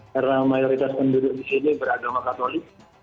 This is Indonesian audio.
karena mayoritas penduduk di sini beragama katolik